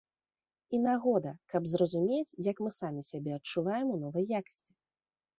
І нагода, каб зразумець, як мы самі сябе адчуваем у новай якасці.